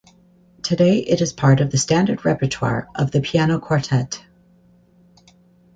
Today it is part of the standard repertoire of the piano quartet.